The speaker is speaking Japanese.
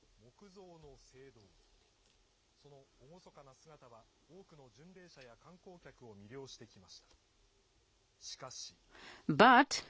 そのおごそかな姿は多くの巡礼者や観光客を魅了してきました。